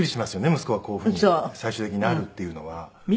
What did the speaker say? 息子がこういうふうに最終的になるっていうのは。